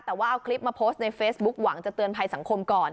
แต่ว่าเอาคลิปมาโพสต์ในเฟซบุ๊คหวังจะเตือนภัยสังคมก่อน